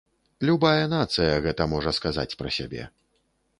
Любая нацыя гэта можа сказаць пра сябе.